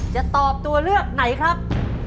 จะตอบตัวเลือกไหนครับ